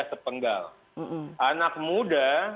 sepenggal anak muda